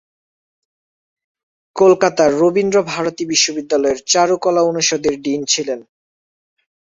কলকাতার রবীন্দ্রভারতী বিশ্ববিদ্যালয়ের চারুকলা অনুষদের ডিন ছিলেন।